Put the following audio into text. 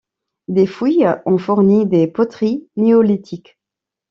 Des fouilles ont fourni des poteries néolithiques.